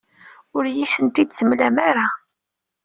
Ur iyi-tent-id-temlam ara.